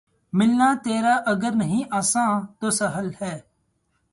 ملنا تیرا اگر نہیں آساں‘ تو سہل ہے